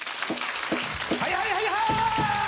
はいはいはいはい！